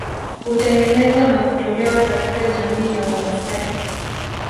Hutengenezwa na kutolewa katika jamii ya Wamasai